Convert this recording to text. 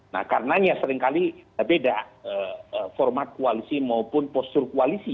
nah karenanya seringkali beda format koalisi maupun postur koalisi